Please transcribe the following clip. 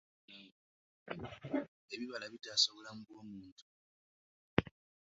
Ebibala bitaasa obulamu bw'omuntu.